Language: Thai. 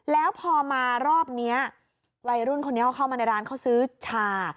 แล้วพอมารอบนี้วัยรุ่นคนนี้เขาเข้ามาในร้านเขาซื้อชา